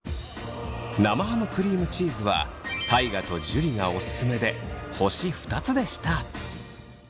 生ハムクリームチーズは大我と樹がオススメで星２つでした。